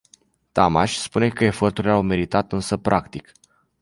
Tamaș spune că eforturile au meritat însă practic.